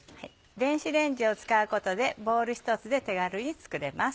電子レンジを使うことでボウル一つで手軽に作れます。